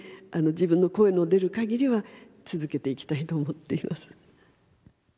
自分の声の出る限りは続けていきたいと思っています。